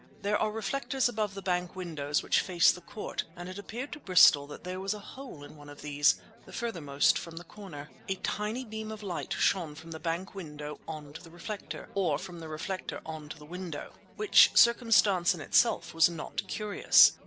There are reflectors above the bank windows which face the court, and it appeared to Bristol that there was a hole in one of these, the furthermost from the corner. A tiny beam of light shone from the bank window on to the reflector, or from the reflector on to the window, which circumstance in itself was not curious.